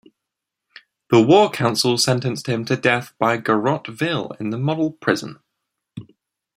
The war council sentenced him to death by garrote vil in the "Model" prison.